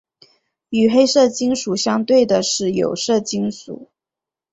与黑色金属相对的是有色金属。